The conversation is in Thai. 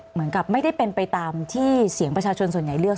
เหมือนกับไม่ได้เป็นไปตามที่เสียงประชาชนส่วนใหญ่เลือก